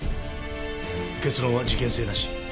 結論は事件性なし。